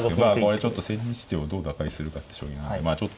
ちょっと千日手をどう打開するかって将棋が。